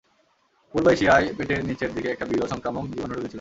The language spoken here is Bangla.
পূর্ব এশিয়ায় পেটের নিচের দিকে একটা বিরল, সংক্রামক জীবাণু ঢুকেছিল।